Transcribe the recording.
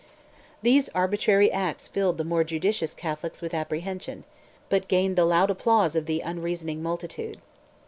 These arbitrary acts filled the more judicious Catholics with apprehension, but gained the loud applause of the unreasoning multitude.